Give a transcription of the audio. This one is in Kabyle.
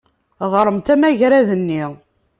Ɣṛemt amagrad-nni.